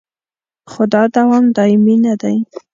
خو دا دوام دایمي نه دی